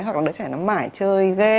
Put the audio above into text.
hoặc là đứa trẻ nó mải chơi game